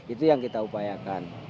itu yang kita upayakan